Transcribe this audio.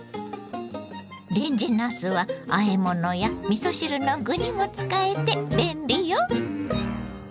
レンジなすはあえ物やみそ汁の具にも使えて便利よ。